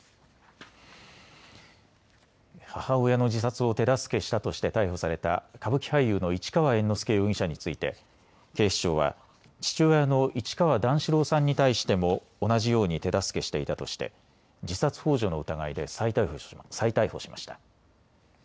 母親の自殺を手助けしたとして逮捕された歌舞伎俳優の市川猿之助容疑者について警視庁は父親の市川段四郎さんに対しても同じように手助けしていたとして自殺ほう助の疑いで再逮捕しました。